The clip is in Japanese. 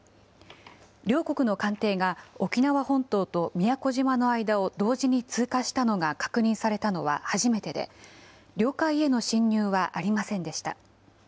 両国の艦艇が沖縄本島と宮古島の間を同時に通過したのが確認されたのは初めてで、領海への侵入はありませんでした。